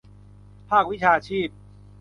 ภาควิชาชีพ